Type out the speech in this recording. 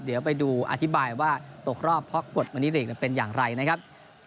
เดี๋ยวไปดูอธิบายว่าตกรอบเพราะกฎวันนี้ลีกเป็นอย่างไรนะครับ